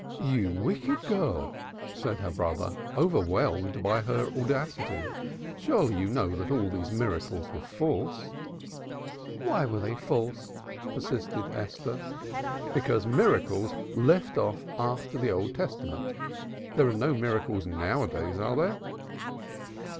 '' "You wicked girl!" said her brother, overwhelmed by her audacity. "Surely you know that all these miracles were false?" "Why were they false?" persisted Esther. "Because miracles left off after the Old Testament! There are no miracles now a days, are there?"